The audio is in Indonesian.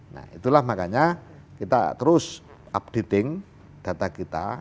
nah itulah makanya kita terus updating data kita